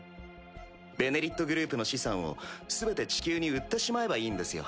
「ベネリット」グループの資産を全て地球に売ってしまえばいいんですよ。